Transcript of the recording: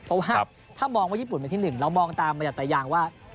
เพราะว่าถ้ามองว่าญี่ปุ่นเป็นที่๑เรามองตามมาจากตายางว่า